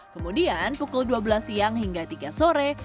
kemudian pukul dua belas siang hingga tiga sore